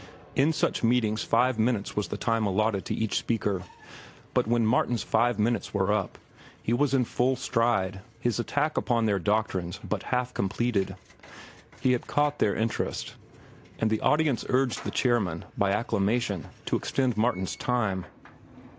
In such meetings five minutes was the time allotted to each speaker; but when Martin's five minutes were up, he was in full stride, his attack upon their doctrines but half completed. He had caught their interest, and the audience urged the chairman by acclamation to extend Martin's time.